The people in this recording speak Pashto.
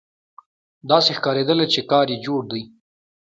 داسې ښکارېدله چې کار یې جوړ دی.